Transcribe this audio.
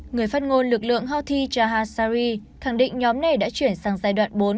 người phát ngôn lực lượng houthi jahashari khẳng định nhóm này đã chuyển sang giai đoạn bốn